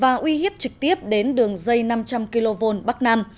và uy hiếp trực tiếp đến đường dây năm trăm linh kv bắc nam